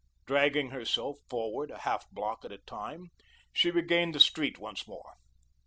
Dragging herself forward a half block at a time, she regained the street once more.